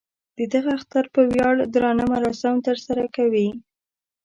د دغه اختر په ویاړ درانه مراسم تر سره کوي.